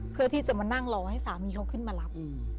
เพื่อที่จะมานั่งรอให้สามีเขาขึ้นมารับ